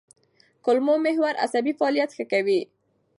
کولمو محور عصبي فعالیت ښه کوي.